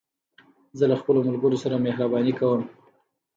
زه له خپلو ملګرو سره مهربانې کوم.